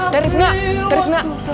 terus enak terus enak